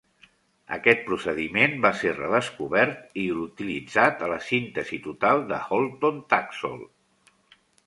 Aquest procediment va ser redescobert i utilitzat a la síntesi total de Holton Taxol.